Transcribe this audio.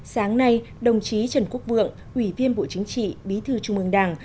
sáng nay đồng chí trần quốc vượng ủy viên bộ chính trị bí thư trung ương đảng